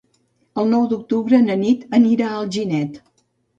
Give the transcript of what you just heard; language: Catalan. El nou d'octubre na Nit anirà a Alginet.